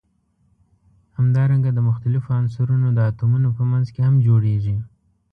همدارنګه د مختلفو عنصرونو د اتومونو په منځ کې هم جوړیږي.